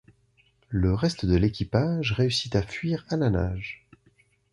Le reste de l'équipage réussit à fuir à la nage.